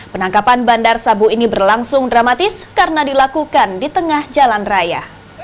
penangkapan bandar sabu ini berlangsung dramatis karena dilakukan di tengah jalan raya